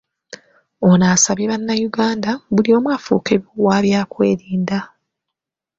Ono asabye Bannayuganda buli omu afuuke wa byakwerinda.